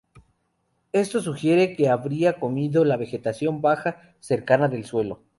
Esto sugiere que habría comido la vegetación baja, cercana del suelo.